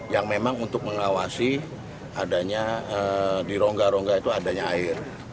yang memang untuk mengawasi adanya di rongga rongga itu adanya air